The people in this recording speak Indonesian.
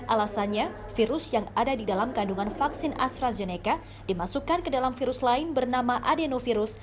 alasannya virus yang ada di dalam kandungan vaksin astrazeneca dimasukkan ke dalam virus lain bernama adenovirus